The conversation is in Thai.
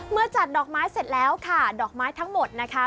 จัดดอกไม้เสร็จแล้วค่ะดอกไม้ทั้งหมดนะคะ